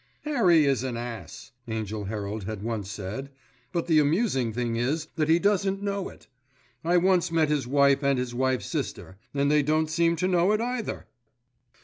"Harry is an ass," Angell Herald had once said; "but the amusing thing is that he doesn't know it. I once met his wife and his wife's sister, and they don't seem to know it either."